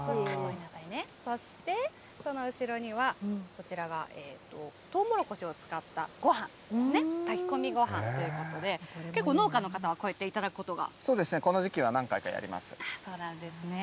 そして、その後ろには、こちらが、とうもろこしを使ったごはんですね、炊き込みごはんということで、結構、農家の方はこうやって頂くこそうですね、この時期は何回そうなんですね。